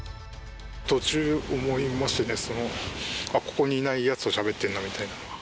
途中、思いましたね、ここにいないやつとしゃべってるなみたいな。